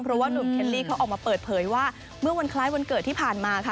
เพราะว่านุ่มเคลลี่เขาออกมาเปิดเผยว่าเมื่อวันคล้ายวันเกิดที่ผ่านมาค่ะ